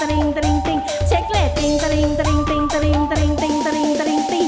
รวบรุ่นสู่ชีวิต